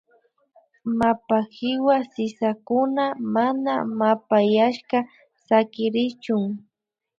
Mapa hiwa sisakuna mana mapayashka sakirichun